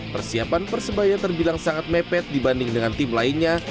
persiapan persebaya terbilang sangat mepet dibanding dengan tim lainnya